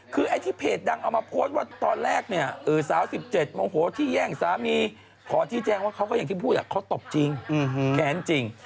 คือไอ้ที่เพจดังเอามาโพสต์ว่าตอนแรกเนี่ยสาว๑๗โมโหที่แย่งสามีขอชี้แจงว่าเขาก็อย่างที่พูดเขาตบจริงแค้นจริง